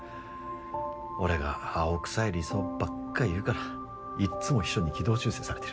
俺が青臭い理想ばっか言うからいっつも秘書に軌道修正されてる。